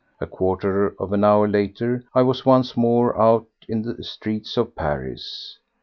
A quarter of an hour later I was once more out in the streets of Paris.